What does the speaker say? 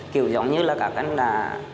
kiểu giống như là cả cái là